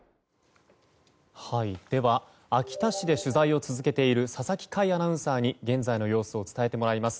では秋田市で取材を続けている佐々木快アナウンサーに現在の様子を伝えてもらいます。